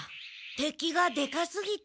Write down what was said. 敵がでかすぎて。